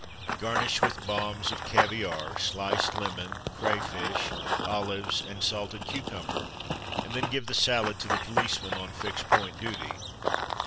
Garnish with bombs of caviare, sliced lemon, crayfish, olives, and salted cucumber; and then give the salad to the policeman on fixed point duty.